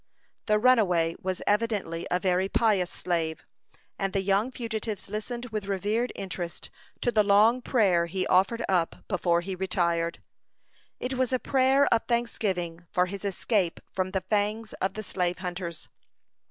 The runaway was evidently a very pious slave, and the young fugitives listened with reverend interest to the long prayer he offered up before he retired. It was a pæan of thanksgiving for his escape from the fangs of the slave hunters.